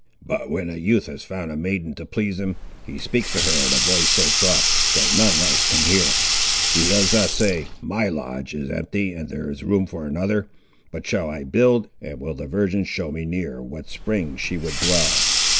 But when a youth has found a maiden to please him, he speaks to her in a voice so soft, that none else can hear. He does not say, My lodge is empty and there is room for another; but shall I build, and will the virgin show me near what spring she would dwell?